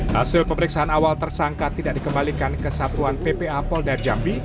hasil pemeriksaan awal tersangka tidak dikembalikan ke satuan ppa polda jambi